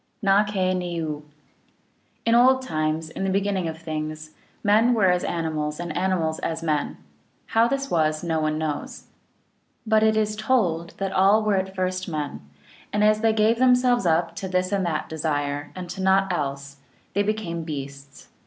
^ kah ne oo. In old times (P.)? m the beginning of things, men were as animals and animals as men ; how this was, no one knows. But it is told that all were at first men, and as they gave themselves up to this and that desire, and to naught else, they became beasts.